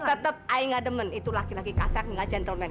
tetap saya tidak suka itu laki laki yang kasar dan gentleman